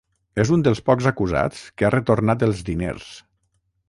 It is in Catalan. És un dels pocs acusats que ha retornat els diners.